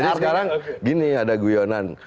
jadi sekarang gini ada guyonan